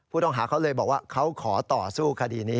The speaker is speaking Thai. ผู้ต้องหาเขาเลยบอกว่าเขาขอต่อสู้คดีนี้